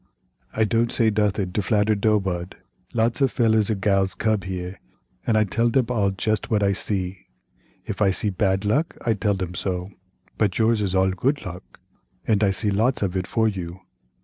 I dod't say dothin' to flatter do wud; lots of fellers ad gals cub here ad I tell theb all jest what I see; if I see bad luck I tell theb so; but yours is all good luck, ad I see lots of it for you.